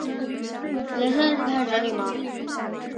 王章枯是清朝贡生。